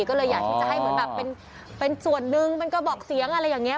ก็เลยอยากที่จะให้เหมือนแบบเป็นส่วนหนึ่งเป็นกระบอกเสียงอะไรอย่างนี้